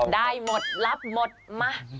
ได้หมดรับหมดมา